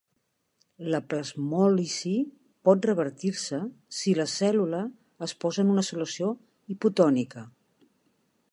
La plasmòlisi pot revertir-se si la cèl·lula es posa en una solució hipotònica.